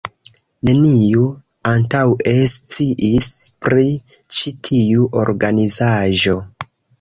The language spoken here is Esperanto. Neniu antaŭe sciis pri ĉi tiu organizaĵo.